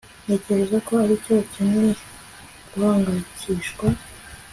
Ntekereza ko aricyo ukeneye guhangayikishwa